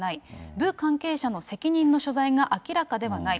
部関係者の責任の所在が明らかではない。